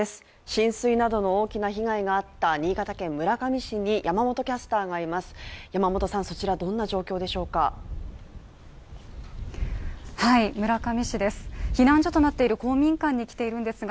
浸水などの大きな被害があった新潟県村上市に山本キャスターがいます。